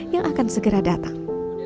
yang akan segera datang